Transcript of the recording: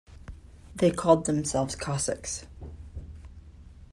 They called themselves "Cossacks".